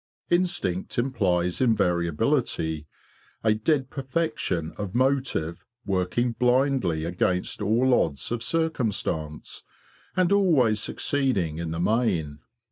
Instinct implies invariability, a dead perfection of motive working blindly against all odds of circum stance, and always succeeding in the main.